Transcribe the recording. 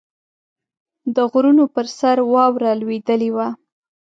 د غرونو پر سر واوره لوېدلې وه.